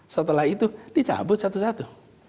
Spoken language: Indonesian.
setelah itu dicabut satu satu